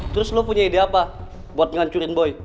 terus lo punya ide apa buat ngancurin boy